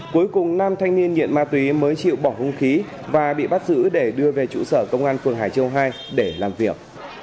cuối cùng nam thanh niên nghiện ma túy mới chịu bỏ hung khí và bị bắt giữ để đưa về trụ sở công an phường hải châu hai để làm việc